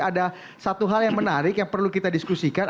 ada satu hal yang menarik yang perlu kita diskusikan